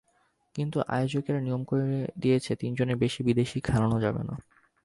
কিন্তু আয়োজকেরা নিয়ম করে দিয়েছে তিনজনের বেশি বিদেশি খেলানো যাবে না।